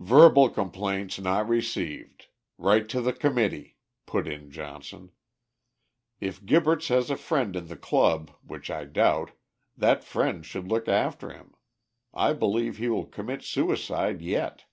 "Verbal complaints not received. Write to the Committee," put in Johnson. "If Gibberts has a friend in the Club, which I doubt, that friend should look after him. I believe he will commit suicide yet."